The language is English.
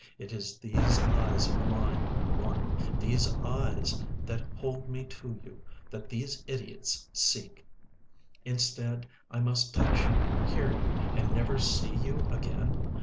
.... It is these eyes of mine you won, these eyes that hold me to you, that these idiots seek. Instead, I must touch you, hear you, and never see you again.